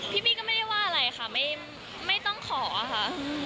พี่บี้ก็ไม่ได้ว่าอะไรค่ะไม่ต้องขอค่ะ